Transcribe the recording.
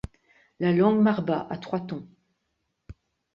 La langue marba a trois tons.